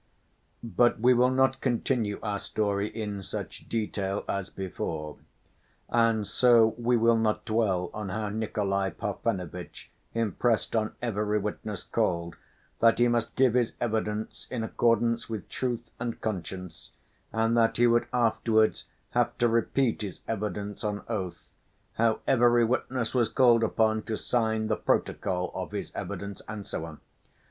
But we will not continue our story in such detail as before. And so we will not dwell on how Nikolay Parfenovitch impressed on every witness called that he must give his evidence in accordance with truth and conscience, and that he would afterwards have to repeat his evidence on oath, how every witness was called upon to sign the protocol of his evidence, and so on.